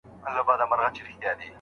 ګدایان ورته راتلل له هره ځایه